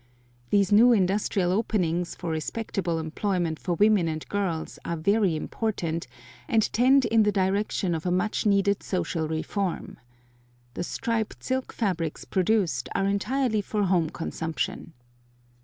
These new industrial openings for respectable employment for women and girls are very important, and tend in the direction of a much needed social reform. The striped silk fabrics produced are entirely for home consumption.